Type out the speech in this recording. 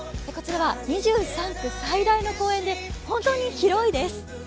こちらは２３区最大の公園で本当に広いです。